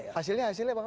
hasilnya hasilnya pak